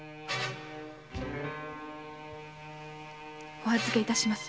お預け致します。